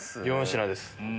４品です。